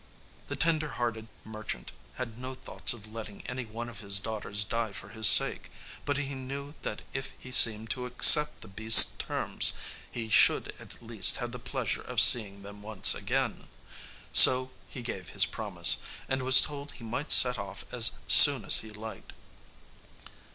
The tender hearted merchant had no thoughts of letting any one of his daughters die for his sake; but he knew that if he seemed to accept the beast's terms, he should at least have the pleasure of seeing them once again. So he gave his promise, and was told he might set off as soon as he liked.